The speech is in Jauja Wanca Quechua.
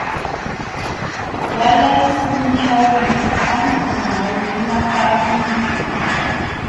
Walay punchawmi qamkuna limapaakunki.